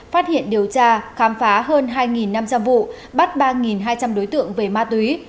phát hiện điều tra khám phá hơn hai năm trăm linh vụ bắt ba hai trăm linh đối tượng về ma túy